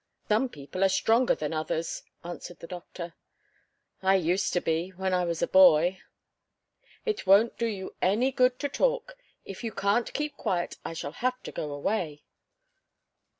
"Some people are stronger than others," answered the doctor. "I used to be, when I was a boy." "It won't do you any good to talk. If you can't keep quiet, I shall have to go away."